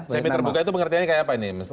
semi terbuka itu pengertiannya kayak apa ini